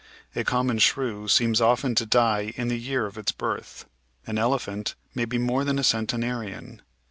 A common shrew seems often to die in the year of its birth ; an elephant may be more than a centenarian.